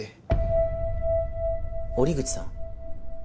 折口さん？